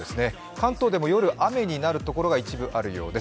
関東でも夜、雨になるところが一部あるようです。